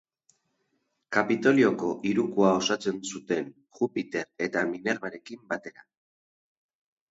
Kapitolioko hirukoa osatzen zuen Jupiter eta Minervarekin batera.